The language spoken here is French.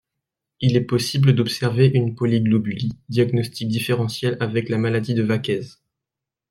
Il est possible d'observer une polyglobulie, diagnostic différentiel avec la maladie de Vaquez.